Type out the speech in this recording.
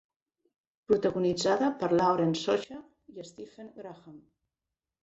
Protagonitzada per Lauren Socha i Stephen Graham.